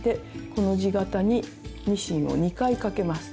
コの字形にミシンを２回かけます。